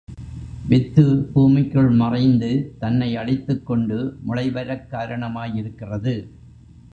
With பூமிக்குள் மறைந்து தன்னை அழித்துக்கொண்டு முளை வரக் காரணமாயிருக்கிறது.